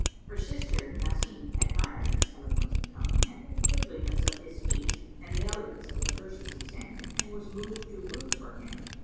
Her sister Nasim admired his eloquence of tongue and the goodliness of his speech and the elegance of the verses he sang, and was moved to ruth for him.